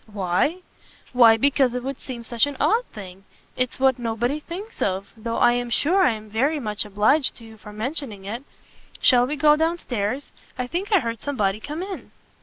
"Why? why because it would seem such an odd thing it's what nobody thinks of though I am sure I am very much obliged to you for mentioning it. Shall we go down stairs? I think I heard somebody come in.